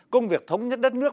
công việc thống nhất đất nước